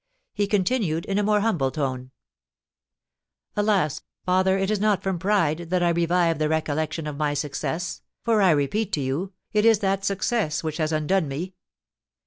He continued in a more humble tone: "Alas! Father, it is not from pride that I revive the recollection of my success, for, I repeat to you, it is that success which has undone me.